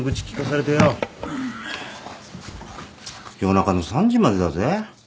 夜中の３時までだぜ？